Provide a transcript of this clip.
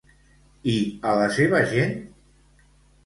I a la seva gent?